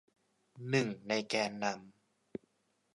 หนึ่งในแกนนำ